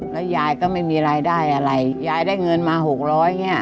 แล้วยายก็ไม่มีรายได้อะไรยายได้เงินมาหกร้อยเนี่ย